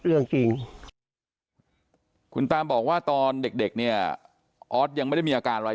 เรื่องจริงคุณตามบอกว่าตอนเด็กเด็กเนี่ยออสยังไม่ได้มีอาการอะไร